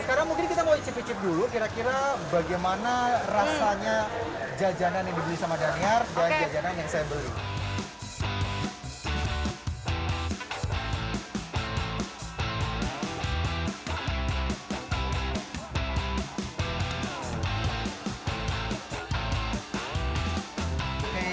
sekarang mungkin kita mau icip icip dulu kira kira bagaimana rasanya jajanan yang dibeli sama daniar dan jajanan yang saya beli